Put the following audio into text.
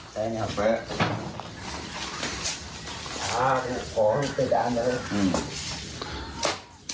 เขาก็เอามือตบแม่ฮอนีสามทีปุ๊บ